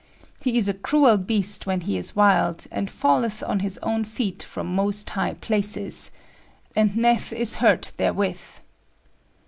He is a cruell beaste when he is wilde, and falleth on his owne feete from most high places: and vneth is hurt therewith.